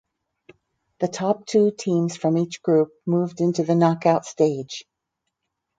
The top two teams from each group moved into the knock out stage.